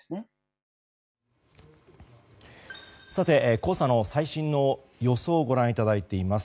黄砂の最新の予想をご覧いただいています。